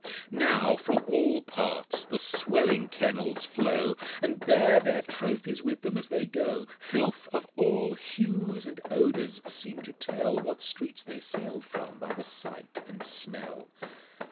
Now from all Parts the swelling Kennels flow, And bear their Trophies with them as they go: Filth of all Hues and Odours seem to tell What Streets they sail'd from, by the Sight and Smell.